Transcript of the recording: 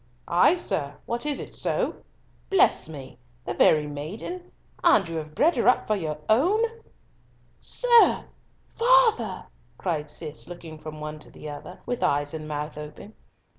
"Ay, sir. What, is it so? Bless me! The very maiden! And you have bred her up for your own." "Sir! Father!" cried Cis, looking from one to the other, with eyes and mouth wide open.